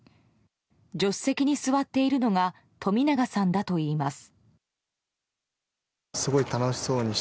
助手席に座っているのが冨永さんだといいます。